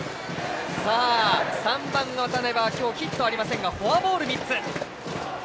３番の渡邉は今日ヒットはありませんがフォアボール３つ。